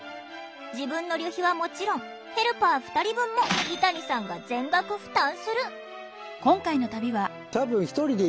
自分の旅費はもちろんヘルパー２人分も井谷さんが全額負担する。